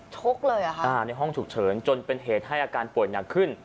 ชกเลยเหรอคะอ่าในห้องฉุกเฉินจนเป็นเหตุให้อาการป่วยหนักขึ้น